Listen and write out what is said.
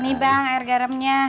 nih bang air garamnya